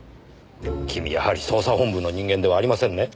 君やはり捜査本部の人間ではありませんね？